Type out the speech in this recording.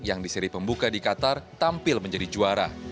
yang di seri pembuka di qatar tampil menjadi juara